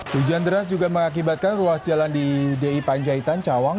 hujan deras juga mengakibatkan ruas jalan di di panjaitan cawang